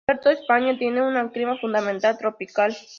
Puerto España tiene un clima fundamentalmente tropical.